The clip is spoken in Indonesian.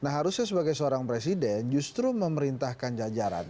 nah harusnya sebagai seorang presiden justru memerintahkan jadinya lima ratus triliun